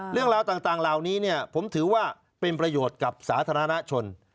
เรื่องราวต่างเหล่านี้ผมถือว่าเป็นประโยชน์กับสาธารณชน